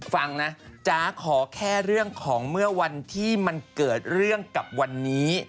ฟังนะจ๊ะขอแค่เรื่องของเมื่อวันที่มันเกิดเรื่องกับวันนี้